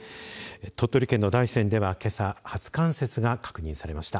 鳥取県の大仙では、けさ初冠雪が確認されました。